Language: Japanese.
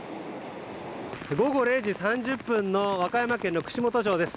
午後０時３０分の和歌山県の串本町です。